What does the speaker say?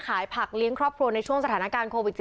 ขายผักเลี้ยงครอบครัวในช่วงสถานการณ์โควิด๑๙